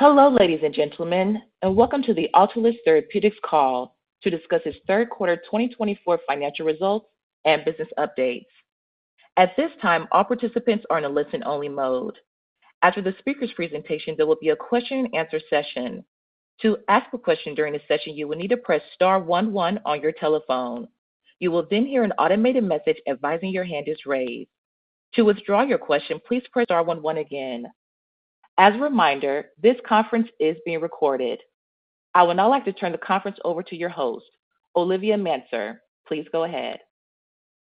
Hello, ladies and gentlemen, and welcome to the Autolus Therapeutics call to discuss its third quarter 2024 financial results and business updates. At this time, all participants are in a listen-only mode. After the speaker's presentation, there will be a question-and-answer session. To ask a question during the session, you will need to press star 11 on your telephone. You will then hear an automated message advising your hand is raised. To withdraw your question, please press star one one again. As a reminder, this conference is being recorded. I would now like to turn the conference over to your host, Olivia Manser. Please go ahead.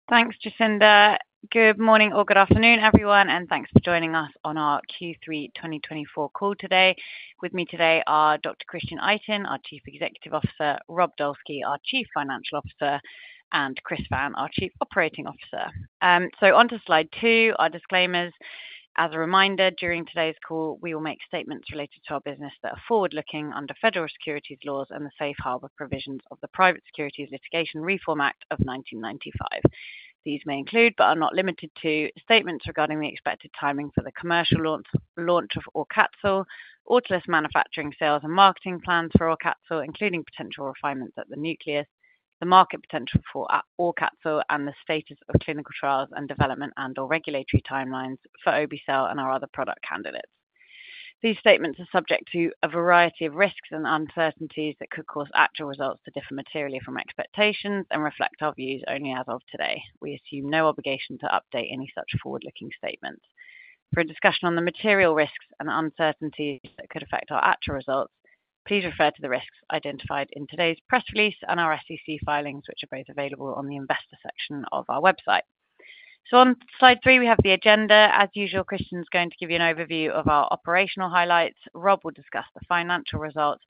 Thanks, Jacinda. Good morning or good afternoon, everyone, and thanks for joining us on our Q3 2024 call today. With me today are Dr. Christian Itin, our Chief Executive Officer; Rob Dolski, our Chief Financial Officer; and Chris Vann, our Chief Operating Officer. So on to slide two, our disclaimers. As a reminder, during today's call, we will make statements related to our business that are forward-looking under federal securities laws and the safe harbor provisions of the Private Securities Litigation Reform Act of 1995. These may include, but are not limited to, statements regarding the expected timing for the commercial launch of AUCATZYL, Autolus manufacturing sales and marketing plans for AUCATZYL, including potential refinements at the Nucleus, the market potential for AUCATZYL, and the status of clinical trials and development and/or regulatory timelines for Obe-Cel and our other product candidates. These statements are subject to a variety of risks and uncertainties that could cause actual results to differ materially from expectations and reflect our views only as of today. We assume no obligation to update any such forward-looking statements. For a discussion on the material risks and uncertainties that could affect our actual results, please refer to the risks identified in today's press release and our SEC filings, which are both available on the investor section of our website. So on slide three, we have the agenda. As usual, Christian is going to give you an overview of our operational highlights. Rob will discuss the financial results,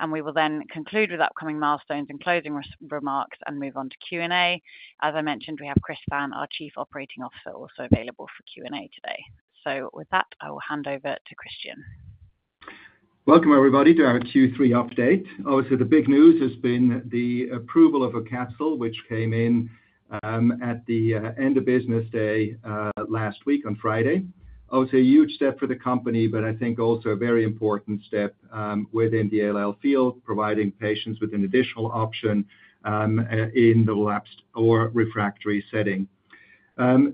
and we will then conclude with upcoming milestones and closing remarks and move on to Q&A. As I mentioned, we have Chris Vann, our Chief Operating Officer, also available for Q&A today. So with that, I will hand over to Christian. Welcome, everybody, to our Q3 update. Obviously, the big news has been the approval of AUCATZYL, which came in at the end of business day last week on Friday. Obviously, a huge step for the company, but I think also a very important step within the ALL field, providing patients with an additional option in the relapsed or refractory setting. What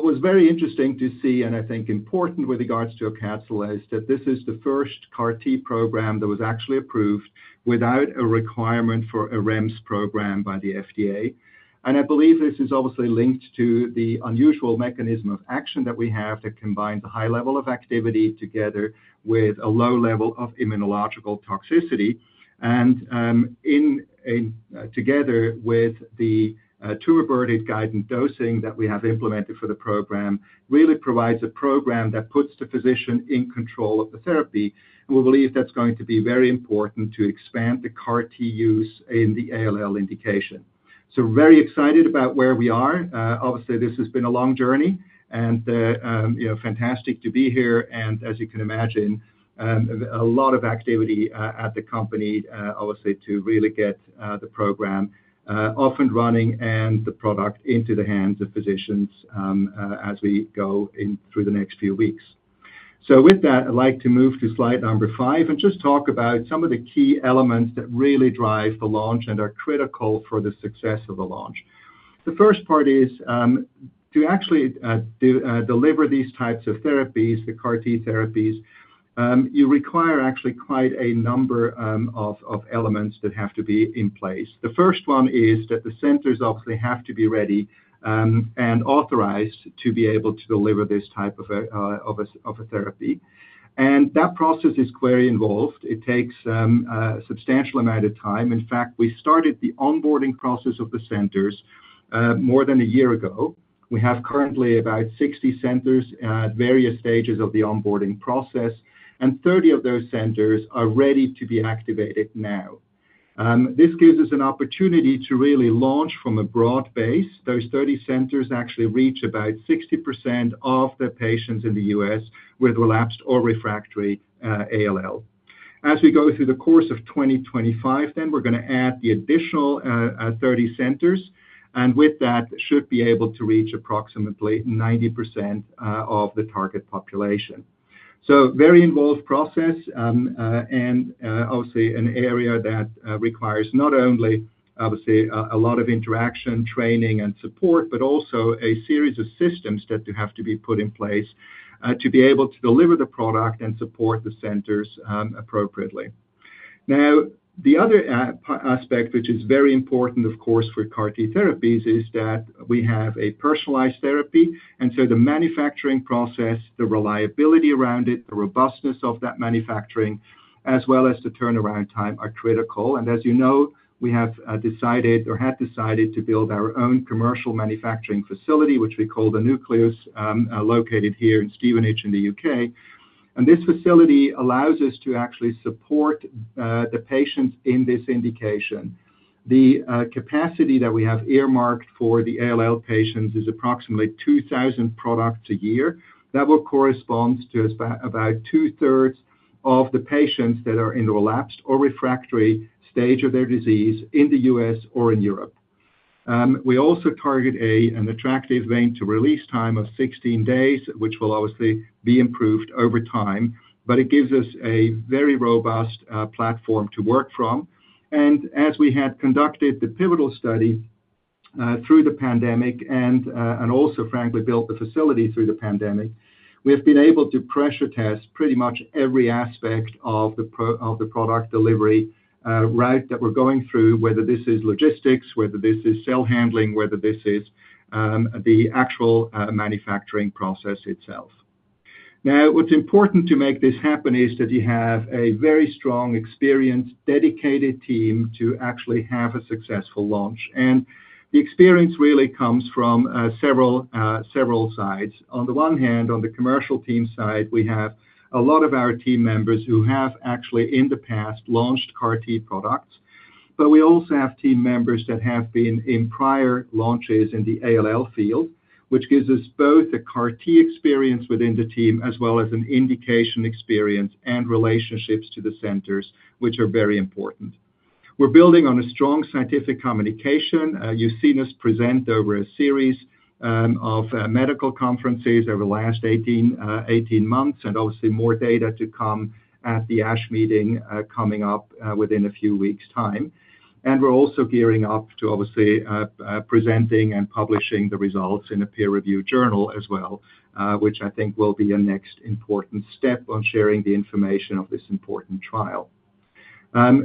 was very interesting to see, and I think important with regards to AUCATZYL, is that this is the first CAR-T program that was actually approved without a requirement for a REMS program by the FDA, and I believe this is obviously linked to the unusual mechanism of action that we have to combine the high level of activity together with a low level of immunological toxicity. And together with the tumor burden guidance dosing that we have implemented for the program, it really provides a program that puts the physician in control of the therapy. And we believe that's going to be very important to expand the CAR-T use in the ALL indication. So very excited about where we are. Obviously, this has been a long journey, and fantastic to be here. And as you can imagine, a lot of activity at the company, obviously, to really get the program off and running and the product into the hands of physicians as we go through the next few weeks. So with that, I'd like to move to slide number five and just talk about some of the key elements that really drive the launch and are critical for the success of the launch. The first part is to actually deliver these types of therapies, the CAR-T therapies, you require actually quite a number of elements that have to be in place. The first one is that the centers obviously have to be ready and authorized to be able to deliver this type of a therapy, and that process is quite involved. It takes a substantial amount of time. In fact, we started the onboarding process of the centers more than a year ago. We have currently about 60 centers at various stages of the onboarding process, and 30 of those centers are ready to be activated now. This gives us an opportunity to really launch from a broad base. Those 30 centers actually reach about 60% of the patients in the U.S. with relapsed or refractory ALL. As we go through the course of 2025, then we're going to add the additional 30 centers, and with that, should be able to reach approximately 90% of the target population. So very involved process and obviously an area that requires not only obviously a lot of interaction, training, and support, but also a series of systems that have to be put in place to be able to deliver the product and support the centers appropriately. Now, the other aspect, which is very important, of course, for CAR-T therapies, is that we have a personalized therapy. And so the manufacturing process, the reliability around it, the robustness of that manufacturing, as well as the turnaround time are critical. And as you know, we have decided or had decided to build our own commercial manufacturing facility, which we call the Nucleus, located here in Stevenage in the U.K. This facility allows us to actually support the patients in this indication. The capacity that we have earmarked for the ALL patients is approximately 2,000 products a year. That will correspond to about two-thirds of the patients that are in the relapsed or refractory stage of their disease in the U.S. or in Europe. We also target an attractive rate to release time of 16 days, which will obviously be improved over time, but it gives us a very robust platform to work from. And as we had conducted the pivotal study through the pandemic and also, frankly, built the facility through the pandemic, we have been able to pressure test pretty much every aspect of the product delivery route that we're going through, whether this is logistics, whether this is cell handling, whether this is the actual manufacturing process itself. Now, what's important to make this happen is that you have a very strong, experienced, dedicated team to actually have a successful launch. And the experience really comes from several sides. On the one hand, on the commercial team side, we have a lot of our team members who have actually in the past launched CAR-T products, but we also have team members that have been in prior launches in the ALL field, which gives us both a CAR-T experience within the team as well as an indication experience and relationships to the centers, which are very important. We're building on a strong scientific communication. You've seen us present over a series of medical conferences over the last 18 months and obviously more data to come at the ASH meeting coming up within a few weeks' time. We're also gearing up to obviously presenting and publishing the results in a peer-reviewed journal as well, which I think will be a next important step on sharing the information of this important trial.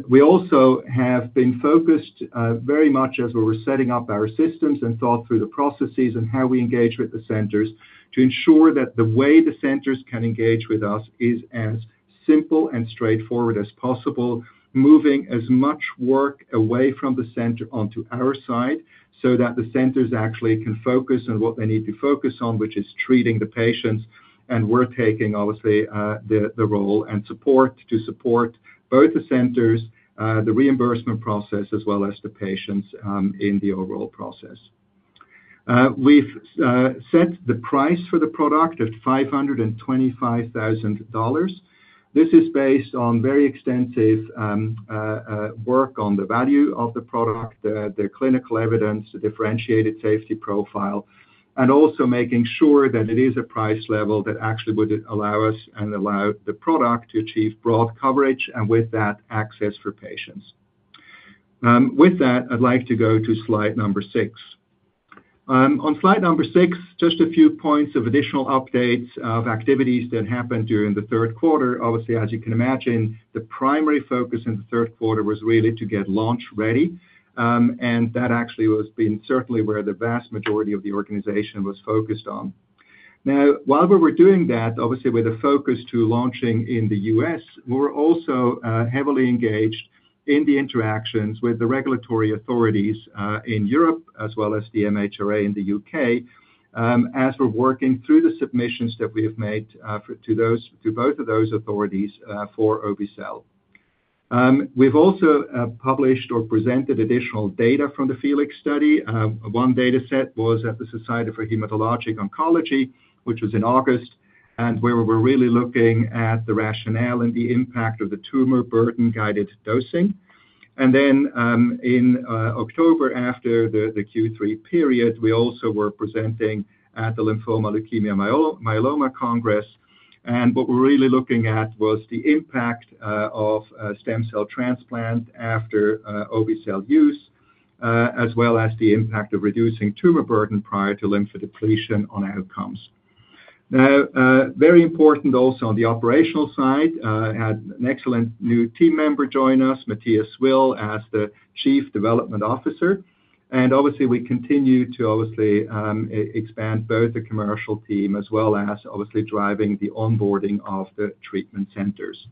We also have been focused very much as we were setting up our systems and thought through the processes and how we engage with the centers to ensure that the way the centers can engage with us is as simple and straightforward as possible, moving as much work away from the center onto our side so that the centers actually can focus on what they need to focus on, which is treating the patients. We're taking obviously the role and support to support both the centers, the reimbursement process, as well as the patients in the overall process. We've set the price for the product at $525,000. This is based on very extensive work on the value of the product, the clinical evidence, the differentiated safety profile, and also making sure that it is a price level that actually would allow us and allow the product to achieve broad coverage and with that, access for patients. With that, I'd like to go to slide number six. On slide number six, just a few points of additional updates of activities that happened during the third quarter. Obviously, as you can imagine, the primary focus in the third quarter was really to get launch ready, and that actually has been certainly where the vast majority of the organization was focused on. Now, while we were doing that, obviously with a focus to launching in the US, we were also heavily engaged in the interactions with the regulatory authorities in Europe as well as the MHRA in the UK as we're working through the submissions that we have made to both of those authorities for Obe-Cel. We've also published or presented additional data from the FELIX study. One data set was at the Society for Hematologic Oncology, which was in August, and where we were really looking at the rationale and the impact of the tumor burden guided dosing, and then in October, after the Q3 period, we also were presenting at the Lymphoma Leukemia Myeloma Congress, and what we're really looking at was the impact of stem cell transplant after Obe-Cel use, as well as the impact of reducing tumor burden prior to lymphodepletion on outcomes. Now, very important also on the operational side, an excellent new team member joined us, Matthias Will, as the Chief Development Officer. And obviously, we continue to expand both the commercial team as well as driving the onboarding of the treatment centers.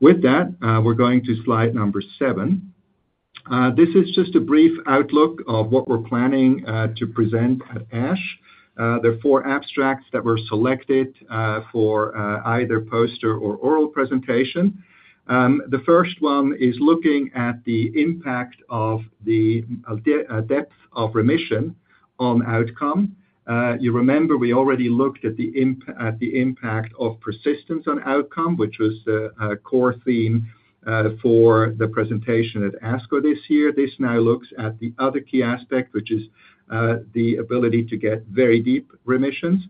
With that, we're going to slide number seven. This is just a brief outlook of what we're planning to present at ASH. There are four abstracts that were selected for either poster or oral presentation. The first one is looking at the impact of the depth of remission on outcome. You remember we already looked at the impact of persistence on outcome, which was a core theme for the presentation at ASCO this year. This now looks at the other key aspect, which is the ability to get very deep remissions.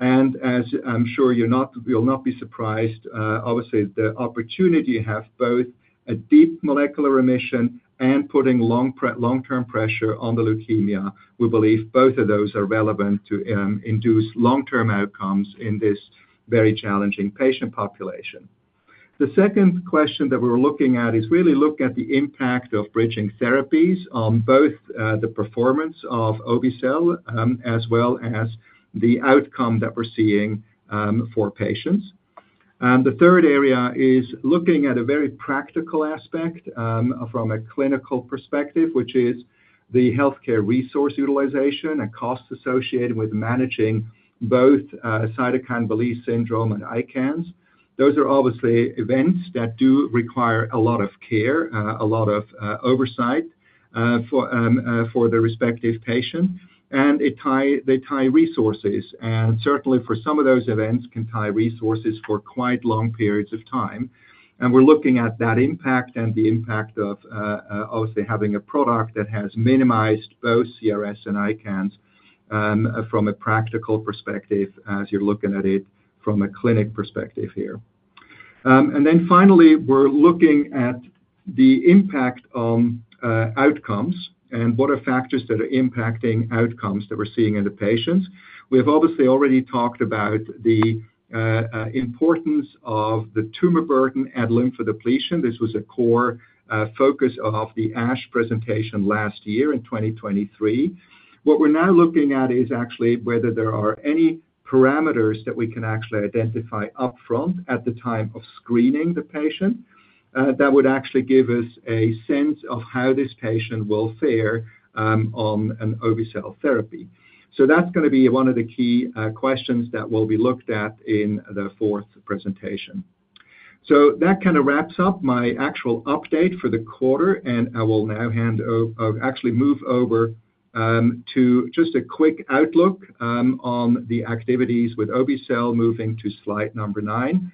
As I'm sure you'll not be surprised, obviously the opportunity you have both a deep molecular remission and putting long-term pressure on the leukemia, we believe both of those are relevant to induce long-term outcomes in this very challenging patient population. The second question that we're looking at is really looking at the impact of bridging therapies on both the performance of Obe-Cel as well as the outcome that we're seeing for patients. The third area is looking at a very practical aspect from a clinical perspective, which is the healthcare resource utilization and costs associated with managing both cytokine release syndrome and ICANS. Those are obviously events that do require a lot of care, a lot of oversight for the respective patient. They tie resources, and certainly for some of those events can tie resources for quite long periods of time. We're looking at that impact and the impact of obviously having a product that has minimized both CRS and ICANS from a practical perspective as you're looking at it from a clinic perspective here. Then finally, we're looking at the impact on outcomes and what are factors that are impacting outcomes that we're seeing in the patients. We have obviously already talked about the importance of the tumor burden and lymphodepletion. This was a core focus of the ASH presentation last year in 2023. What we're now looking at is actually whether there are any parameters that we can actually identify upfront at the time of screening the patient that would actually give us a sense of how this patient will fare on an Obe-Cel therapy. That's going to be one of the key questions that will be looked at in the fourth presentation. So that kind of wraps up my actual update for the quarter, and I will now actually move over to just a quick outlook on the activities with Obe-Cel moving to slide number nine.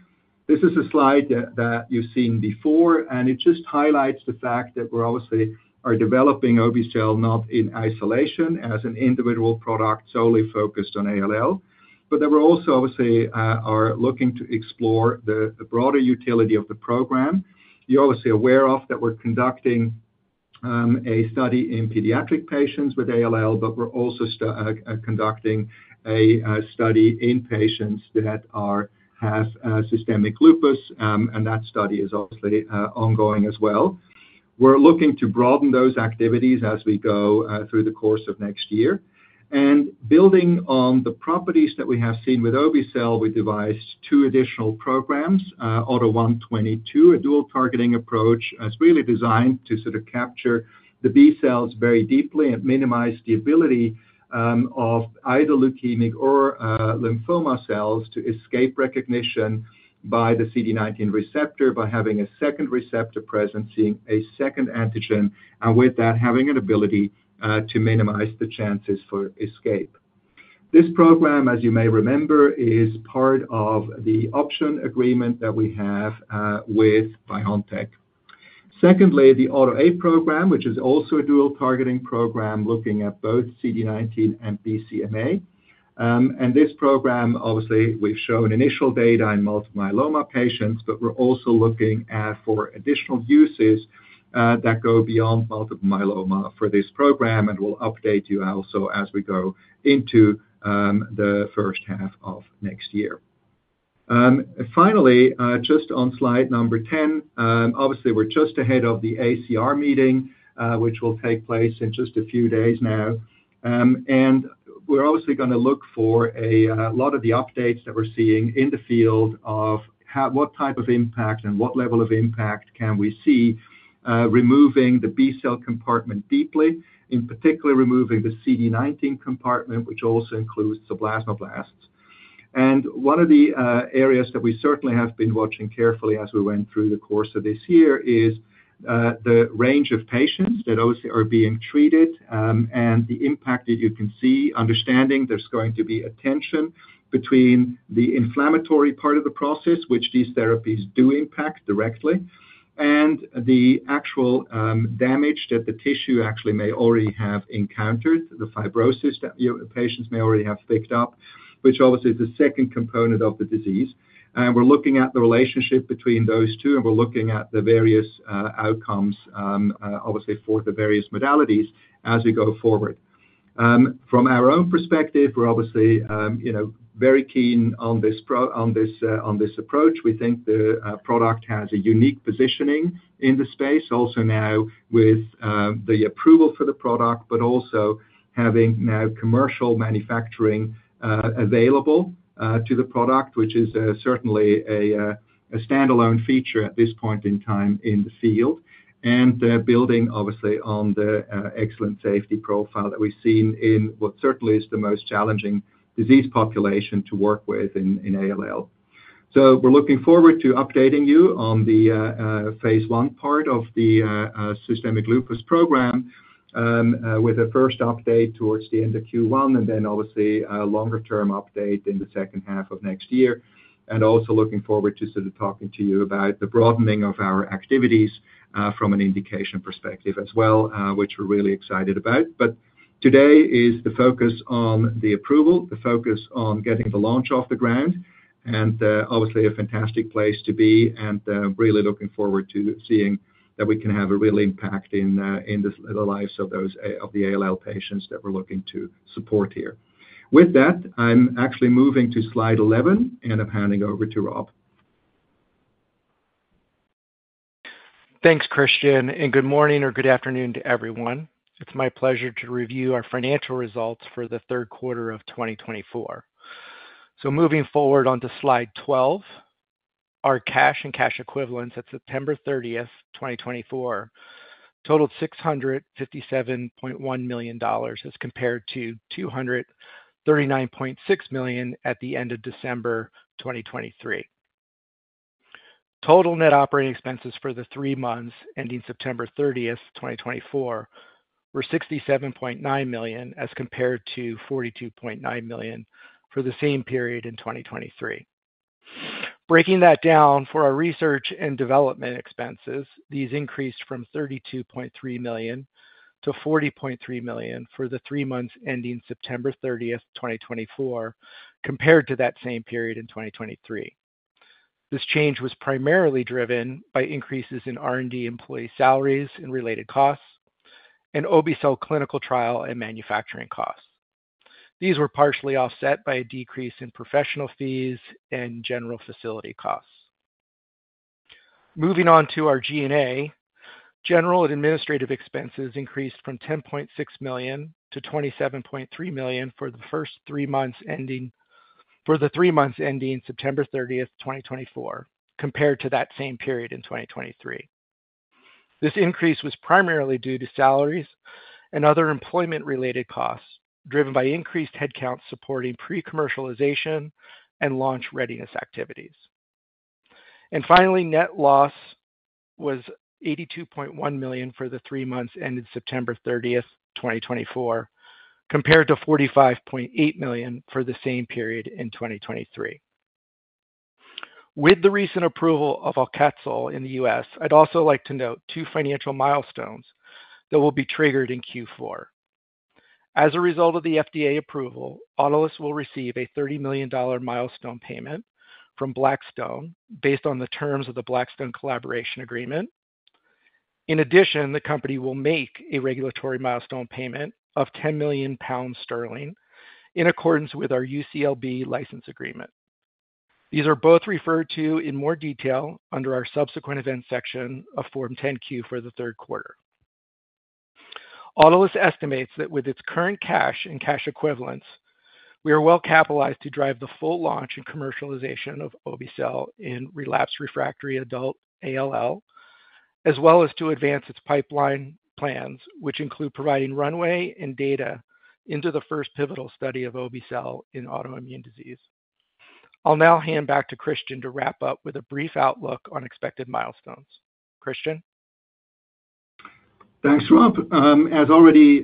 This is a slide that you've seen before, and it just highlights the fact that we're obviously developing Obe-Cel not in isolation as an individual product solely focused on ALL, but that we're also obviously looking to explore the broader utility of the program. You're obviously aware of that we're conducting a study in pediatric patients with ALL, but we're also conducting a study in patients that have systemic lupus, and that study is obviously ongoing as well. We're looking to broaden those activities as we go through the course of next year. Building on the properties that we have seen with Obe-Cel, we devised two additional programs, AUTO1/22, a dual targeting approach that's really designed to sort of capture the B cells very deeply and minimize the ability of either leukemic or lymphoma cells to escape recognition by the CD19 receptor by having a second receptor present, seeing a second antigen, and with that, having an ability to minimize the chances for escape. This program, as you may remember, is part of the option agreement that we have with BioNTech. Secondly, the AUTO8 program, which is also a dual targeting program looking at both CD19 and BCMA. This program, obviously, we've shown initial data in multiple myeloma patients, but we're also looking for additional uses that go beyond multiple myeloma for this program, and we'll update you also as we go into the first half of next year. Finally, just on slide number 10, obviously, we're just ahead of the ACR meeting, which will take place in just a few days now. And we're obviously going to look for a lot of the updates that we're seeing in the field of what type of impact and what level of impact can we see removing the B cell compartment deeply, in particular removing the CD19 compartment, which also includes the plasmablasts. One of the areas that we certainly have been watching carefully as we went through the course of this year is the range of patients that obviously are being treated and the impact that you can see, understanding there's going to be attention between the inflammatory part of the process, which these therapies do impact directly, and the actual damage that the tissue actually may already have encountered, the fibrosis that patients may already have picked up, which obviously is the second component of the disease. We're looking at the relationship between those two, and we're looking at the various outcomes, obviously, for the various modalities as we go forward. From our own perspective, we're obviously very keen on this approach. We think the product has a unique positioning in the space, also now with the approval for the product, but also having now commercial manufacturing available to the product, which is certainly a standalone feature at this point in time in the field and building, obviously, on the excellent safety profile that we've seen in what certainly is the most challenging disease population to work with in ALL. So we're looking forward to updating you on the phase one part of the systemic lupus program with a first update towards the end of Q1 and then obviously a longer-term update in the second half of next year, and also looking forward to sort of talking to you about the broadening of our activities from an indication perspective as well, which we're really excited about. But today is the focus on the approval, the focus on getting the launch off the ground, and obviously a fantastic place to be and really looking forward to seeing that we can have a real impact in the lives of the ALL patients that we're looking to support here. With that, I'm actually moving to slide 11 and I'm handing over to Rob. Thanks, Christian, and good morning or good afternoon to everyone. It's my pleasure to review our financial results for the third quarter of 2024. So moving forward onto slide 12, our cash and cash equivalents at September 30th, 2024, totaled $657.1 million as compared to $239.6 million at the end of December 2023. Total net operating expenses for the three months ending September 30th, 2024, were $67.9 million as compared to $42.9 million for the same period in 2023. Breaking that down for our research and development expenses, these increased from $32.3 million to $40.3 million for the three months ending September 30th, 2024, compared to that same period in 2023. This change was primarily driven by increases in R&D employee salaries and related costs and Obe-Cel clinical trial and manufacturing costs. These were partially offset by a decrease in professional fees and general facility costs. Moving on to our G&A, general and administrative expenses increased from $10.6 million to $27.3 million for the three months ending September 30th, 2024, compared to that same period in 2023. This increase was primarily due to salaries and other employment-related costs driven by increased headcount supporting pre-commercialization and launch readiness activities. And finally, net loss was $82.1 million for the three months ended September 30th, 2024, compared to $45.8 million for the same period in 2023. With the recent approval of AUCATZYL in the U.S., I'd also like to note two financial milestones that will be triggered in Q4. As a result of the FDA approval, Autolus will receive a $30 million milestone payment from Blackstone based on the terms of the Blackstone Collaboration Agreement. In addition, the company will make a regulatory milestone payment of 10 million pounds in accordance with our UCLB license agreement. These are both referred to in more detail under our subsequent events section of Form 10-Q for the third quarter. Autolus estimates that with its current cash and cash equivalents, we are well capitalized to drive the full launch and commercialization of Obe-Cel in relapsed refractory adult ALL, as well as to advance its pipeline plans, which include providing runway and data into the first pivotal study of Obe-Cel in autoimmune disease. I'll now hand back to Christian to wrap up with a brief outlook on expected milestones. Christian? Thanks, Rob. As already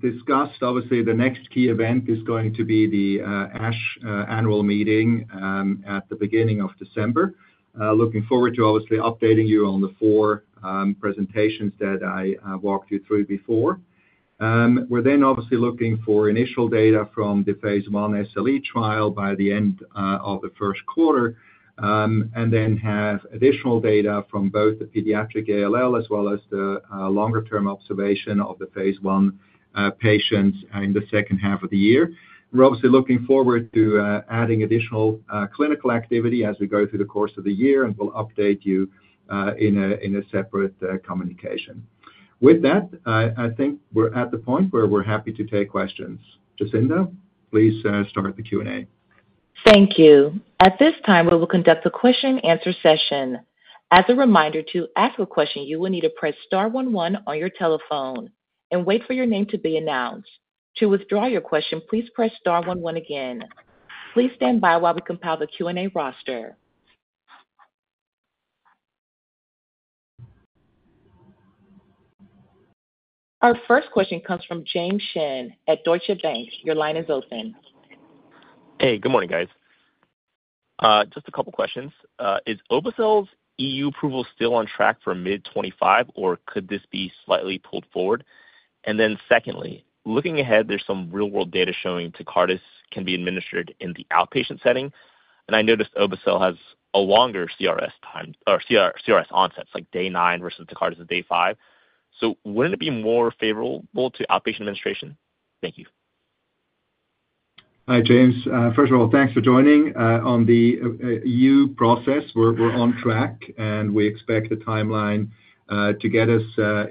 discussed, obviously, the next key event is going to be the ASH annual meeting at the beginning of December. Looking forward to obviously updating you on the four presentations that I walked you through before. We're then obviously looking for initial data from the phase one SLE trial by the end of the first quarter and then have additional data from both the pediatric ALL as well as the longer-term observation of the phase one patients in the second half of the year. We're obviously looking forward to adding additional clinical activity as we go through the course of the year and we'll update you in a separate communication. With that, I think we're at the point where we're happy to take questions. Jacinda, please start the Q&A. Thank you. At this time, we will conduct the question-and-answer session. As a reminder, to ask a question, you will need to press star one one on your telephone and wait for your name to be announced. To withdraw your question, please press star one one again. Please stand by while we compile the Q&A roster. Our first question comes from James Shin at Deutsche Bank. Your line is open. Hey, good morning, guys. Just a couple of questions. Is Obe-Cel's EU approval still on track for mid-2025, or could this be slightly pulled forward? And then secondly, looking ahead, there's some real-world data showing Tecartus can be administered in the outpatient setting. And I noticed Obe-Cel has a longer CRS onset, like day nine versus Tecartus is day five. So wouldn't it be more favorable to outpatient administration? Thank you. Hi, James. First of all, thanks for joining. On the E.U. process, we're on track, and we expect the timeline to get us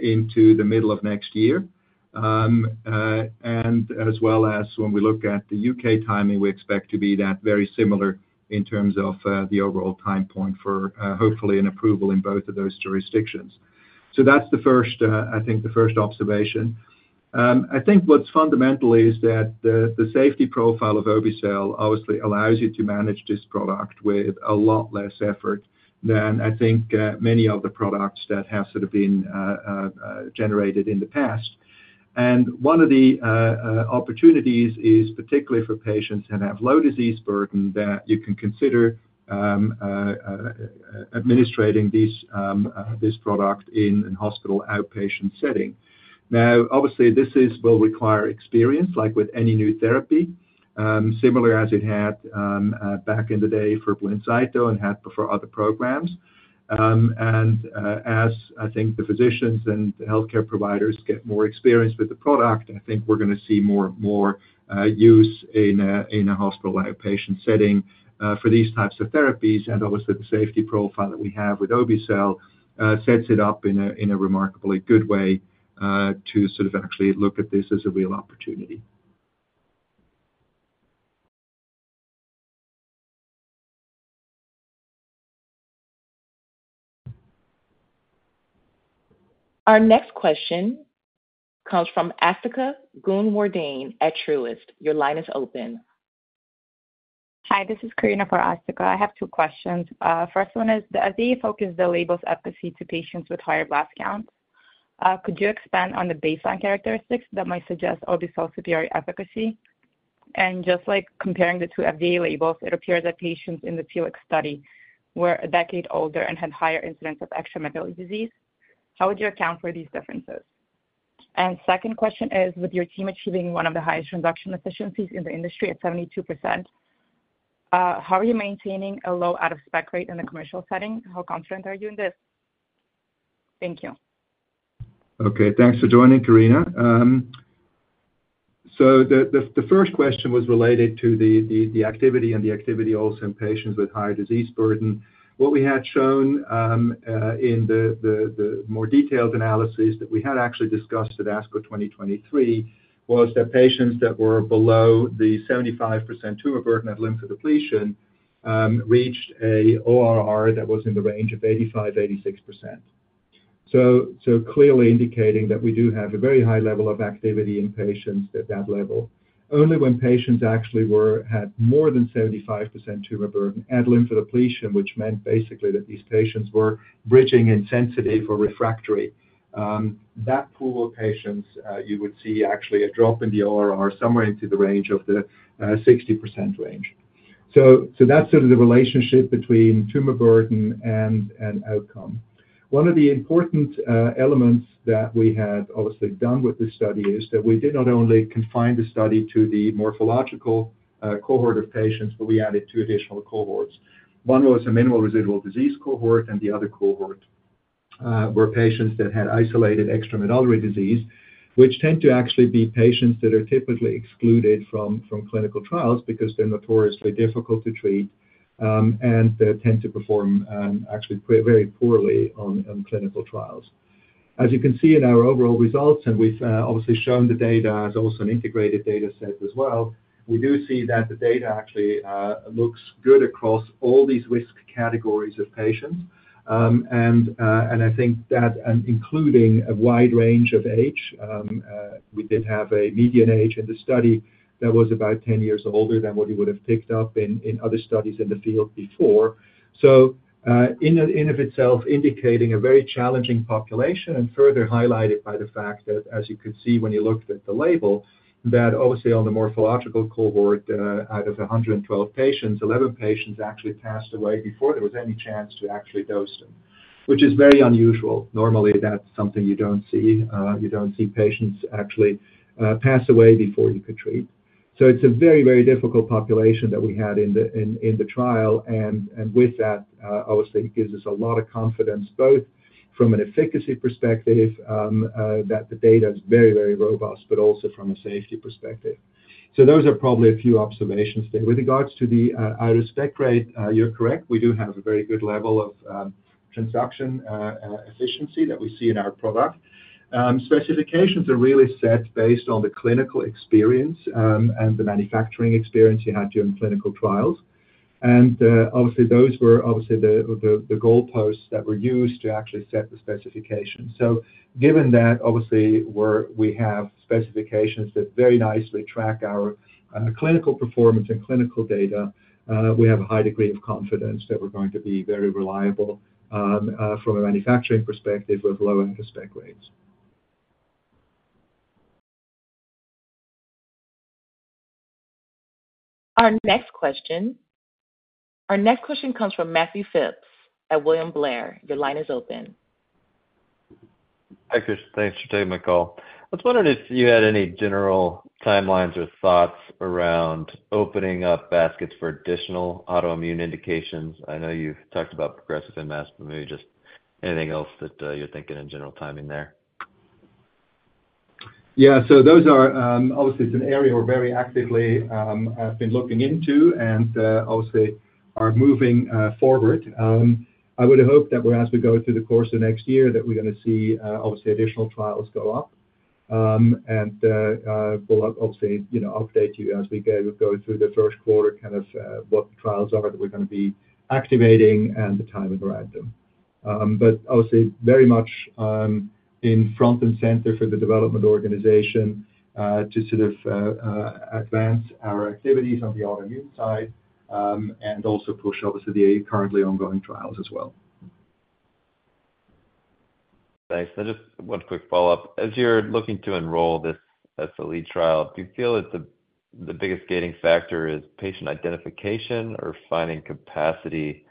into the middle of next year, and as well as when we look at the U.K. timing, we expect to be that very similar in terms of the overall time point for hopefully an approval in both of those jurisdictions, so that's the first, I think, the first observation. I think what's fundamental is that the safety profile of Obe-Cel obviously allows you to manage this product with a lot less effort than I think many of the products that have sort of been generated in the past, and one of the opportunities is particularly for patients that have low disease burden that you can consider administering this product in a hospital outpatient setting. Now, obviously, this will require experience, like with any new therapy, similar as it had back in the day for Blincyto and had before other programs. And as I think the physicians and healthcare providers get more experienced with the product, I think we're going to see more use in a hospital outpatient setting for these types of therapies. And obviously, the safety profile that we have with Obe-Cel sets it up in a remarkably good way to sort of actually look at this as a real opportunity. Our next question comes from Asthika Goonewardene at Truist. Your line is open. Hi, this is Karina for Asthika. I have two questions. First one is, the FDA focuses the labels' efficacy to patients with higher blast counts. Could you expand on the baseline characteristics that might suggest Obe-cel superior efficacy? And just like comparing the two FDA labels, it appears that patients in the FELIX study were a decade older and had higher incidence of extra-membranous disease. How would you account for these differences? And second question is, with your team achieving one of the highest transduction efficiencies in the industry at 72%, how are you maintaining a low out-of-spec rate in the commercial setting? How confident are you in this? Thank you. Okay, thanks for joining, Karina. So the first question was related to the activity and the activity also in patients with higher disease burden. What we had shown in the more detailed analysis that we had actually discussed at ASCO 2023 was that patients that were below the 75% tumor burden at lymphodepletion reached an ORR that was in the range of 85%, 86%. So clearly indicating that we do have a very high level of activity in patients at that level. Only when patients actually had more than 75% tumor burden at lymphodepletion, which meant basically that these patients were bridging in sensitive or refractory, that pool of patients, you would see actually a drop in the ORR somewhere into the range of the 60% range. So that's sort of the relationship between tumor burden and outcome. One of the important elements that we had obviously done with this study is that we did not only confine the study to the morphological cohort of patients, but we added two additional cohorts. One was a minimal residual disease cohort, and the other cohort were patients that had isolated extra-medullary disease, which tend to actually be patients that are typically excluded from clinical trials because they're notoriously difficult to treat and tend to perform actually very poorly on clinical trials. As you can see in our overall results, and we've obviously shown the data as also an integrated data set as well, we do see that the data actually looks good across all these risk categories of patients. I think that including a wide range of age, we did have a median age in the study that was about 10 years older than what you would have picked up in other studies in the field before. So in and of itself, indicating a very challenging population and further highlighted by the fact that, as you could see when you looked at the label, that obviously on the morphological cohort, out of 112 patients, 11 patients actually passed away before there was any chance to actually dose them, which is very unusual. Normally, that's something you don't see. You don't see patients actually pass away before you could treat. So it's a very, very difficult population that we had in the trial. With that, obviously, it gives us a lot of confidence, both from an efficacy perspective, that the data is very, very robust, but also from a safety perspective. So those are probably a few observations there. With regards to the out-of-spec rate, you're correct. We do have a very good level of transduction efficiency that we see in our product. Specifications are really set based on the clinical experience and the manufacturing experience you had during clinical trials. And obviously, those were obviously the goalposts that were used to actually set the specifications. So given that, obviously, we have specifications that very nicely track our clinical performance and clinical data, we have a high degree of confidence that we're going to be very reliable from a manufacturing perspective with low out-of-spec rates. Our next question comes from Matthew Phipps at William Blair. Your line is open. Hi, Christian. Thanks for taking my call. I was wondering if you had any general timelines or thoughts around opening up baskets for additional autoimmune indications. I know you've talked about progressive MS, but maybe just anything else that you're thinking in general timing there. Yeah, so those are obviously an area we're very actively been looking into and obviously are moving forward. I would hope that as we go through the course of next year, that we're going to see, obviously additional trials go up. And we'll obviously update you as we go through the first quarter kind of what the trials are that we're going to be activating and the timing around them. But obviously, very much in front and center for the development organization to sort of advance our activities on the autoimmune side and also push obviously the currently ongoing trials as well. Thanks. Just one quick follow-up. As you're looking to enroll this SLE trial, do you feel that the biggest gating factor is patient identification or finding capacity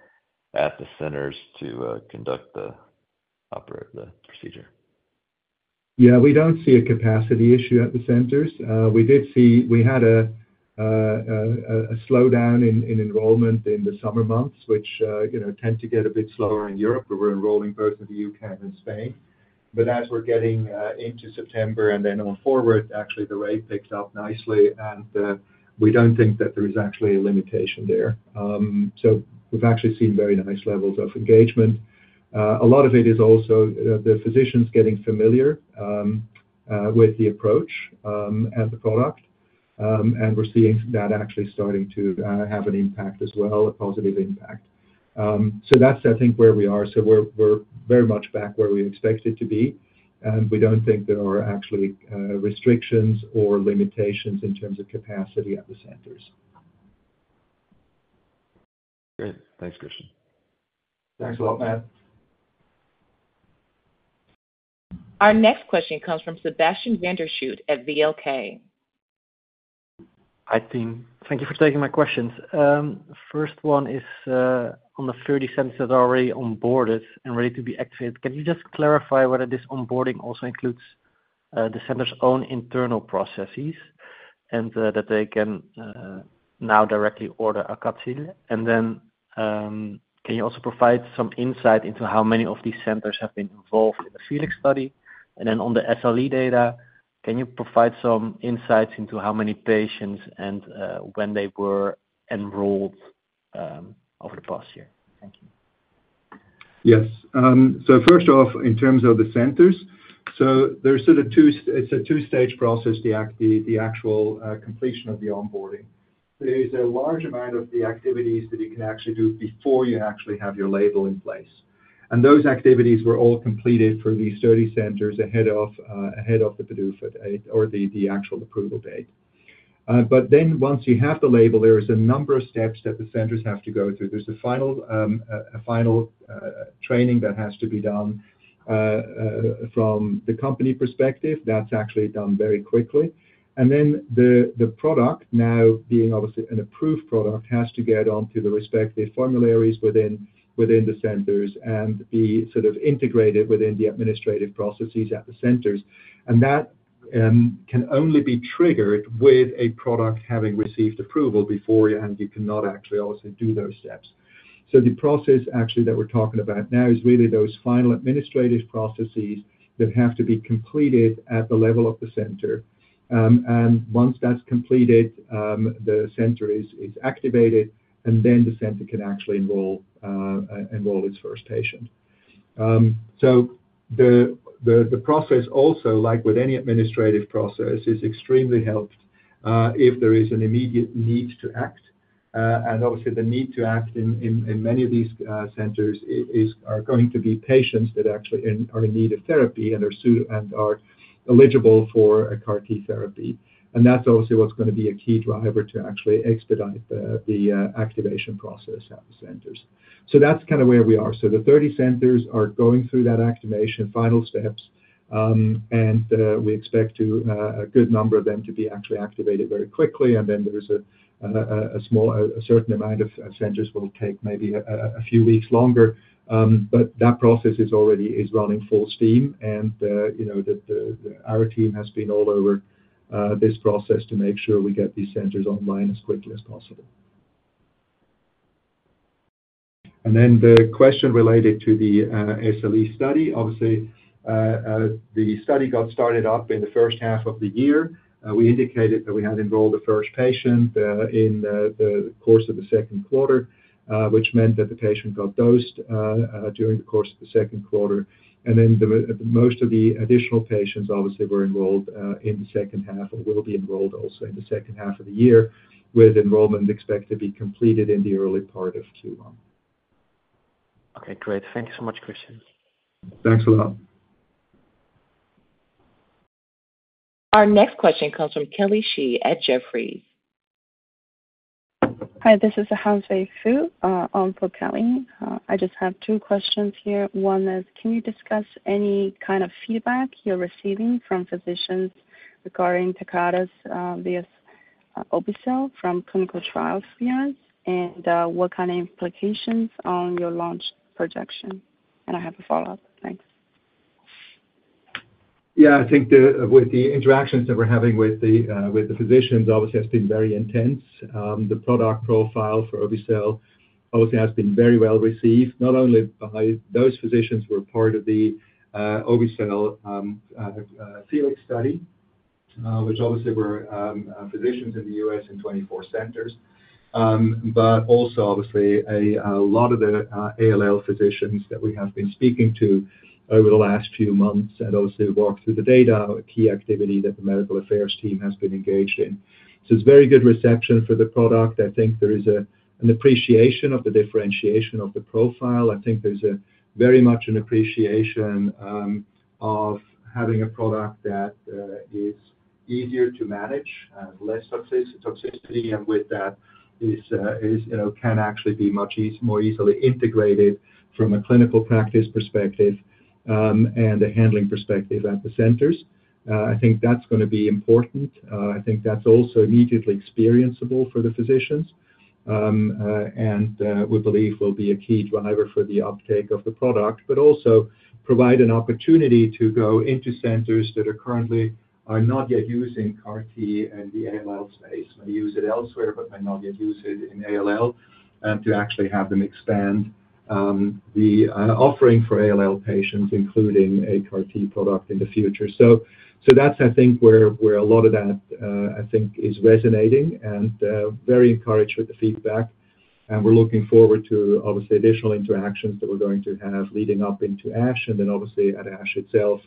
at the centers to conduct the procedure? Yeah, we don't see a capacity issue at the centers. We had a slowdown in enrollment in the summer months, which tend to get a bit slower in Europe. We were enrolling both in the UK and Spain, but as we're getting into September and then on forward, actually the rate picked up nicely, and we don't think that there is actually a limitation there, so we've actually seen very nice levels of engagement. A lot of it is also the physicians getting familiar with the approach and the product, and we're seeing that actually starting to have an impact as well, a positive impact, so that's, I think, where we are, so we're very much back where we expect it to be, and we don't think there are actually restrictions or limitations in terms of capacity at the centers. Great. Thanks, Christian. Thanks a lot, Matt. Our next question comes from Sebastiaan van der Schoot at VLK. I think, thank you for taking my questions. First one is on the 30 centers that are already onboarded and ready to be activated. Can you just clarify whether this onboarding also includes the center's own internal processes and that they can now directly order AUCATZYL? And then can you also provide some insight into how many of these centers have been involved in the FELIX study? And then on the SLE data, can you provide some insights into how many patients and when they were enrolled over the past year? Thank you. Yes, so first off, in terms of the centers, so there's sort of two, it's a two-stage process, the actual completion of the onboarding. There is a large amount of the activities that you can actually do before you actually have your label in place. And those activities were all completed for these 30 centers ahead of the PDUFA date or the actual approval date. But then once you have the label, there is a number of steps that the centers have to go through. There's a final training that has to be done from the company perspective. That's actually done very quickly. And then the product, now being obviously an approved product, has to get onto the respective formularies within the centers and be sort of integrated within the administrative processes at the centers. And that can only be triggered with a product having received approval beforehand. You cannot actually obviously do those steps. So the process actually that we're talking about now is really those final administrative processes that have to be completed at the level of the center. And once that's completed, the center is activated, and then the center can actually enroll its first patient. So the process, also like with any administrative process, is extremely helped if there is an immediate need to act. And obviously, the need to act in many of these centers are going to be patients that actually are in need of therapy and are eligible for AUCATZYL therapy. And that's obviously what's going to be a key driver to actually expedite the activation process at the centers. So that's kind of where we are. So the 30 centers are going through that activation, final steps, and we expect a good number of them to be actually activated very quickly. And then there's a certain amount of centers will take maybe a few weeks longer. But that process is already running full steam. And our team has been all over this process to make sure we get these centers online as quickly as possible. And then the question related to the SLE study, obviously, the study got started up in the first half of the year. We indicated that we had enrolled the first patient in the course of the second quarter, which meant that the patient got dosed during the course of the second quarter. Most of the additional patients obviously were enrolled in the second half or will be enrolled also in the second half of the year, with enrollment expected to be completed in the early part of Q1. Okay, great. Thank you so much, Christian. Thanks a lot. Our next question comes from Kelly Shi at Jefferies. Hi, this is [Ting-Tse Zhou] for Kelly. I just have two questions here. One is, can you discuss any kind of feedback you're receiving from physicians regarding Tecartus versus Obe-Cel from clinical trial experience and what kind of implications on your launch projection? And I have a follow-up. Thanks. Yeah, I think with the interactions that we're having with the physicians, obviously, it's been very intense. The product profile for Obe-Cel obviously has been very well received, not only by those physicians who were part of the Obe-Cel FELIX study, which obviously were physicians in the U.S. in 24 centers, but also obviously a lot of the ALL physicians that we have been speaking to over the last few months that obviously have worked through the data, key activity that the medical affairs team has been engaged in. So it's very good reception for the product. I think there is an appreciation of the differentiation of the profile. I think there's very much an appreciation of having a product that is easier to manage and less toxicity. With that, it can actually be much more easily integrated from a clinical practice perspective and a handling perspective at the centers. I think that's going to be important. I think that's also immediately experienceable for the physicians and we believe will be a key driver for the uptake of the product, but also provide an opportunity to go into centers that currently are not yet using Kymriah in the ALL space. They use it elsewhere, but may not yet use it in ALL and to actually have them expand the offering for ALL patients, including a Kymriah product in the future. That's, I think, where a lot of that, I think, is resonating and very encouraged with the feedback. We're looking forward to obviously additional interactions that we're going to have leading up into ASH and then obviously at ASH itself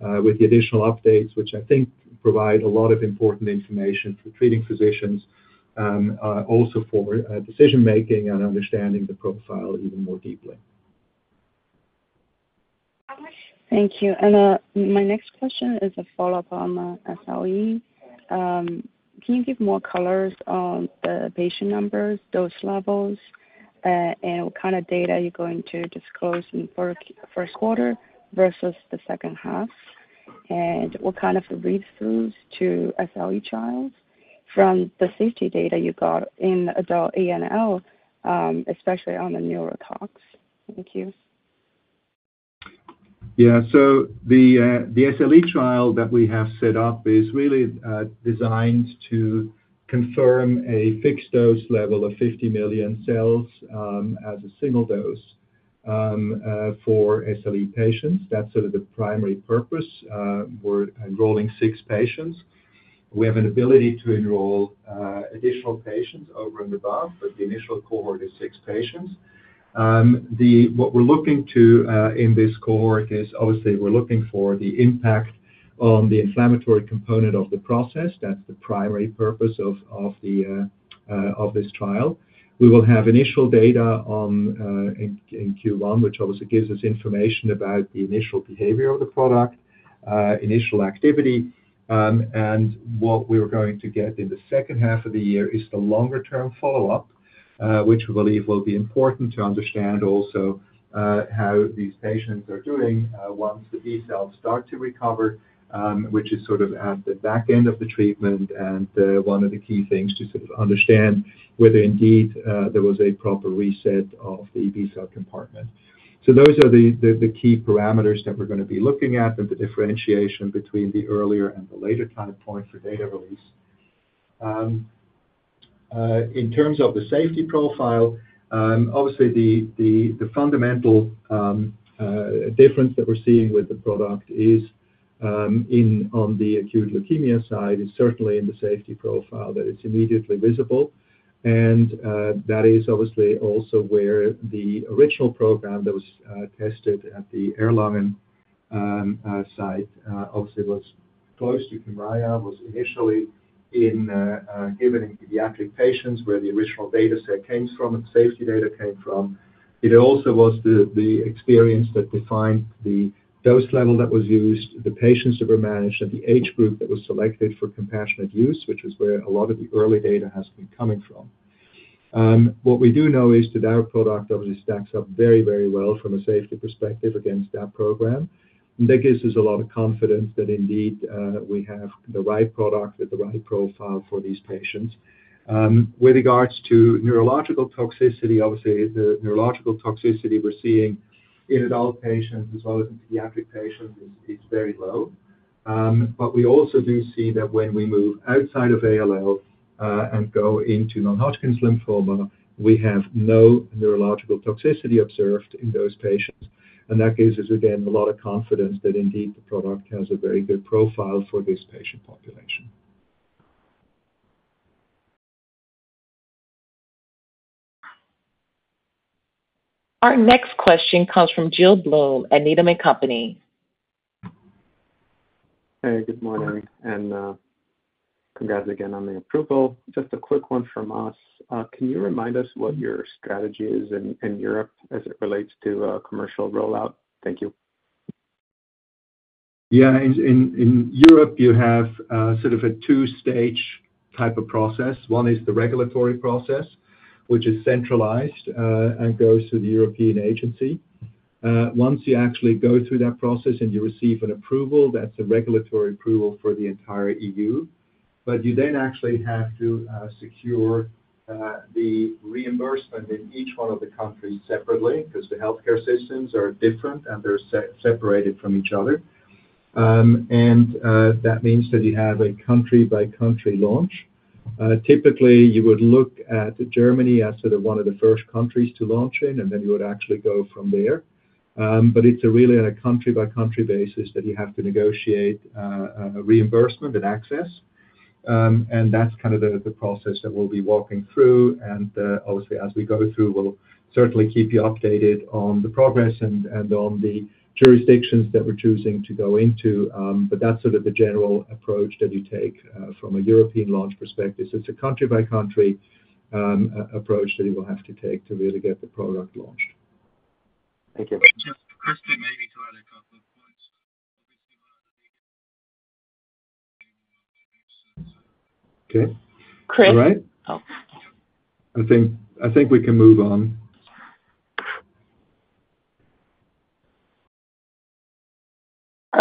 with the additional updates, which I think provide a lot of important information for treating physicians, also for decision-making and understanding the profile even more deeply. Thank you. My next question is a follow-up on the SLE. Can you give more color on the patient numbers, dose levels, and what kind of data you're going to disclose in the first quarter versus the second half? And what kind of read-throughs to SLE trials from the safety data you got in adult ALL, especially on the neurotox? Thank you. Yeah. So the SLE trial that we have set up is really designed to confirm a fixed dose level of 50 million cells as a single dose for SLE patients. That's sort of the primary purpose. We're enrolling six patients. We have an ability to enroll additional patients over and above, but the initial cohort is six patients. What we're looking to in this cohort is obviously we're looking for the impact on the inflammatory component of the process. That's the primary purpose of this trial. We will have initial data in Q1, which obviously gives us information about the initial behavior of the product, initial activity. What we were going to get in the second half of the year is the longer-term follow-up, which we believe will be important to understand also how these patients are doing once the B cells start to recover, which is sort of at the back end of the treatment. One of the key things to sort of understand whether indeed there was a proper reset of the B cell compartment. Those are the key parameters that we're going to be looking at and the differentiation between the earlier and the later time point for data release. In terms of the safety profile, obviously the fundamental difference that we're seeing with the product on the acute leukemia side is certainly in the safety profile that is immediately visible. That is obviously also where the original program that was tested at the Erlangen site obviously was close to Kymriah, was initially given in pediatric patients where the original data set came from and the safety data came from. It also was the experience that defined the dose level that was used, the patients that were managed, and the age group that was selected for compassionate use, which is where a lot of the early data has been coming from. What we do know is that our product obviously stacks up very, very well from a safety perspective against that program. And that gives us a lot of confidence that indeed we have the right product with the right profile for these patients. With regards to neurological toxicity, obviously the neurological toxicity we're seeing in adult patients as well as in pediatric patients is very low. But we also do see that when we move outside of ALL and go into non-Hodgkin's lymphoma, we have no neurological toxicity observed in those patients. And that gives us, again, a lot of confidence that indeed the product has a very good profile for this patient population. Our next question comes from Gil Blum, Needham & Company. Hey, good morning. And congrats again on the approval. Just a quick one from us. Can you remind us what your strategy is in Europe as it relates to commercial rollout? Thank you. Yeah. In Europe, you have sort of a two-stage type of process. One is the regulatory process, which is centralized and goes to the European agency. Once you actually go through that process and you receive an approval, that's a regulatory approval for the entire EU. But you then actually have to secure the reimbursement in each one of the countries separately because the healthcare systems are different and they're separated from each other. And that means that you have a country-by-country launch. Typically, you would look at Germany as sort of one of the first countries to launch in, and then you would actually go from there. But it's really on a country-by-country basis that you have to negotiate reimbursement and access. And that's kind of the process that we'll be walking through. And obviously, as we go through, we'll certainly keep you updated on the progress and on the jurisdictions that we're choosing to go into. But that's sort of the general approach that you take from a European launch perspective. So it's a country-by-country approach that you will have to take to really get the product launched. Thank you. Just quickly, maybe to add a couple of points. Obviously, one of the biggest. Okay. Chris. All right? Oh. I think we can move on.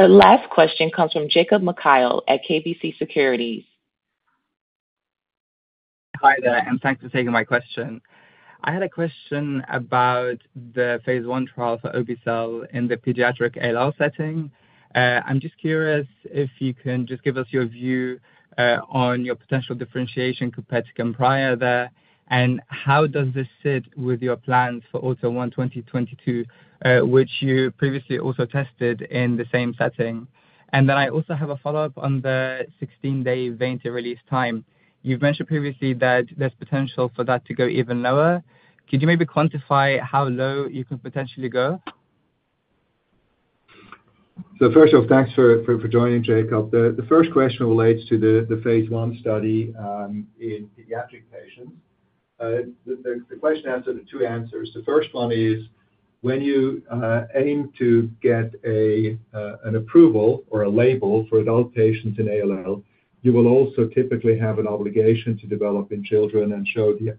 Our last question comes from Jacob Mekhael at KBC Securities. Hi there, and thanks for taking my question. I had a question about the phase one trial for Obe-Cel in the pediatric ALL setting. I'm just curious if you can just give us your view on your potential differentiation compared to Kymriah there, and how does this sit with your plans for AUTO1/22, which you previously also tested in the same setting. And then I also have a follow-up on the 16-day vein-to-release time. You've mentioned previously that there's potential for that to go even lower. Could you maybe quantify how low you can potentially go? First off, thanks for joining, Jacob. The first question relates to the phase 1 study in pediatric patients. The question has sort of two answers. The first one is, when you aim to get an approval or a label for adult patients in ALL, you will also typically have an obligation to develop in children and show the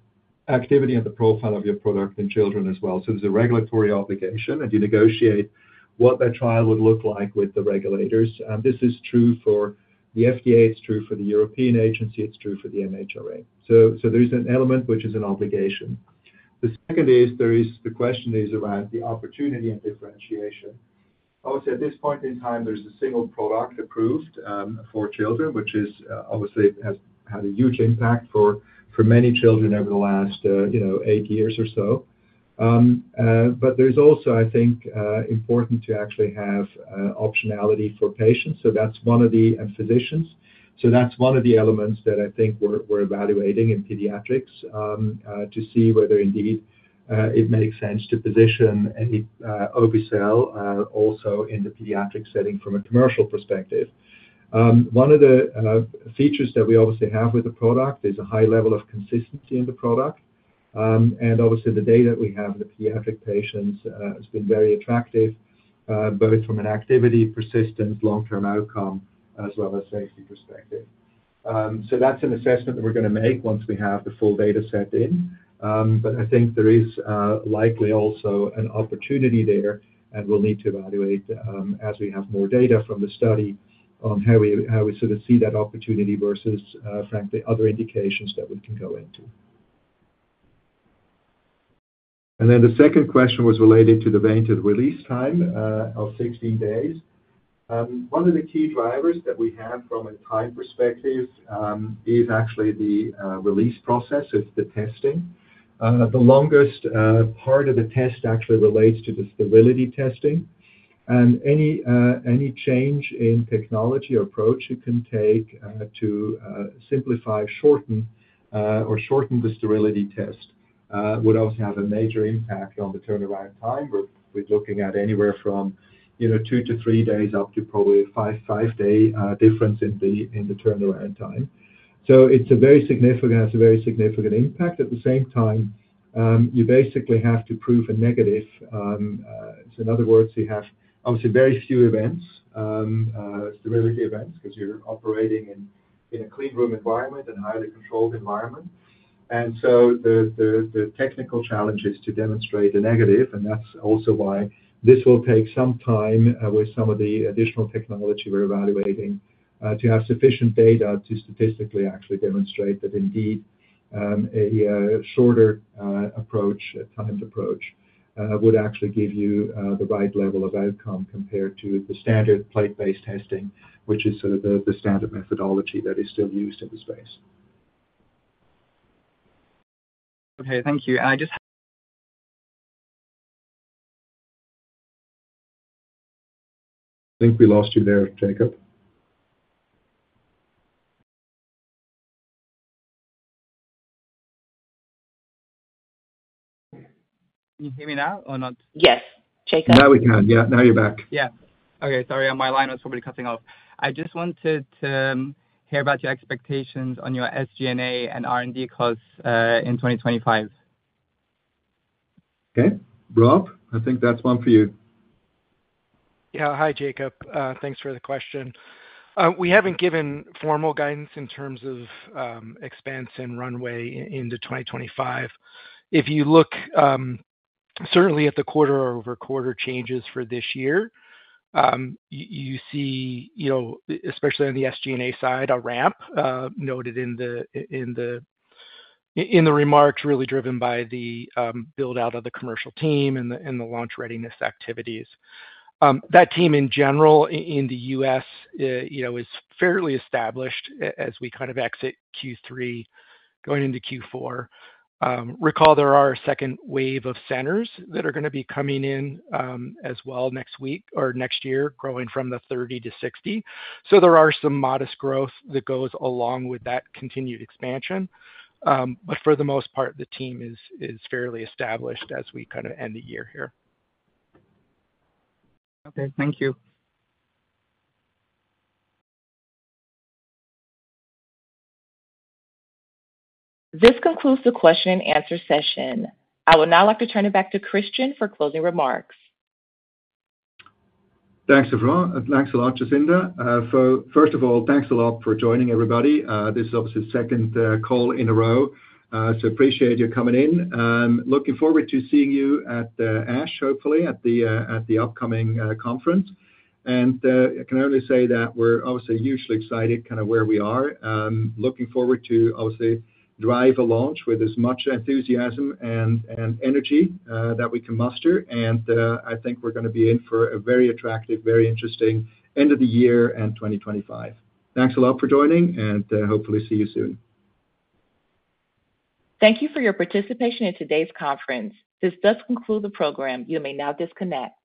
activity and the profile of your product in children as well. So there's a regulatory obligation, and you negotiate what that trial would look like with the regulators. This is true for the FDA. It's true for the European agency. It's true for the MHRA. So there's an element which is an obligation. The second is the question is around the opportunity and differentiation. Obviously, at this point in time, there's a single product approved for children, which obviously has had a huge impact for many children over the last eight years or so. But there's also, I think, important to actually have optionality for patients. So that's one of the physicians. So that's one of the elements that I think we're evaluating in pediatrics to see whether indeed it makes sense to position Obe-Cel also in the pediatric setting from a commercial perspective. One of the features that we obviously have with the product is a high level of consistency in the product. And obviously, the data we have in the pediatric patients has been very attractive, both from an activity, persistence, long-term outcome, as well as safety perspective. So that's an assessment that we're going to make once we have the full data set in. But I think there is likely also an opportunity there, and we'll need to evaluate as we have more data from the study on how we sort of see that opportunity versus, frankly, other indications that we can go into. And then the second question was related to the vein-to-release time of 16 days. One of the key drivers that we have from a time perspective is actually the release process. It's the testing. The longest part of the test actually relates to the sterility testing. And any change in technology or approach you can take to simplify or shorten the sterility test would also have a major impact on the turnaround time. We're looking at anywhere from two to three days up to probably a five-day difference in the turnaround time. So it's a very significant impact. At the same time, you basically have to prove a negative. So in other words, you have obviously very few events, sterility events, because you're operating in a clean room environment, a highly controlled environment. And so the technical challenge is to demonstrate a negative. And that's also why this will take some time with some of the additional technology we're evaluating to have sufficient data to statistically actually demonstrate that indeed a shorter approach, a timed approach, would actually give you the right level of outcome compared to the standard plate-based testing, which is sort of the standard methodology that is still used in the space. Okay. Thank you. And I just. I think we lost you there, Jacob. Can you hear me now or not? Yes. Jacob. Now we can. Yeah. Now you're back. Yeah. Okay. Sorry. My line was probably cutting off. I just wanted to hear about your expectations on your SG&A and R&D costs in 2025. Okay. Rob, I think that's one for you. Yeah. Hi, Jacob. Thanks for the question. We haven't given formal guidance in terms of expenses and runway into 2025. If you look certainly at the quarter-over-quarter changes for this year, you see, especially on the SG&A side, a ramp noted in the remarks really driven by the build-out of the commercial team and the launch readiness activities. That team, in general, in the U.S., is fairly established as we kind of exit Q3, going into Q4. Recall there are a second wave of centers that are going to be coming in as well next week or next year, growing from the 30 to 60. So there are some modest growth that goes along with that continued expansion. But for the most part, the team is fairly established as we kind of end the year here. Okay. Thank you. This concludes the question-and-answer session. I would now like to turn it back to Christian for closing remarks. Thanks a lot, Jacinda. First of all, thanks a lot for joining, everybody. This is obviously the second call in a row, so appreciate you coming in. Looking forward to seeing you at ASH, hopefully, at the upcoming conference, and I can only say that we're obviously hugely excited kind of where we are. Looking forward to obviously drive a launch with as much enthusiasm and energy that we can muster, and I think we're going to be in for a very attractive, very interesting end of the year and 2025. Thanks a lot for joining, and hopefully see you soon. Thank you for your participation in today's conference. This does conclude the program. You may now disconnect.